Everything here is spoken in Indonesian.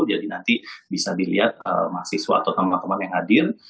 jadi nanti bisa dilihat mahasiswa atau teman teman yang hadir